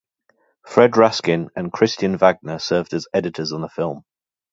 Fred Raskin and Christian Wagner served as editors on the film.